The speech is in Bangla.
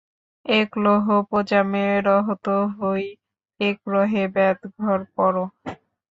এক লোহ পূজামে রহত হৈ, এক রহে ব্যাধ ঘর পরো।